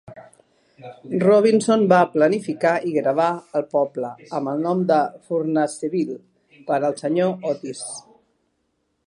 Robinson va planificar i gravar el poble amb el nom de Furnaceville per al Sr. Otis.